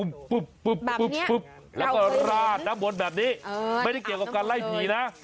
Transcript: แบบนี้เราเคยเห็นน้ำวนแบบนี้ไม่ได้เกี่ยวกับการไล่ผีนะ